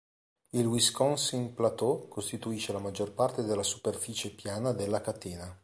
Il Wisconsin Plateau costituisce la maggior parte della superficie piana della catena.